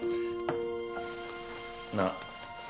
なあ？